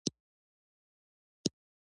د افغانستان طبیعت له واوره څخه جوړ شوی دی.